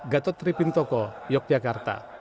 gatot tri pintoko yogyakarta